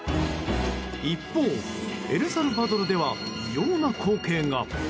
一方、エルサルバドルでは異様な光景が。